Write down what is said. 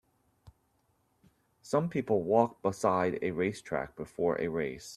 Some people walk beside a racetrack before a race.